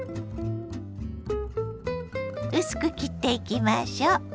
薄く切っていきましょう。